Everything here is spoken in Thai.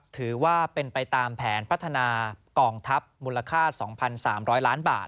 ถือว่าเป็นไปตามแผนพัฒนากองทัพมูลค่า๒๓๐๐ล้านบาท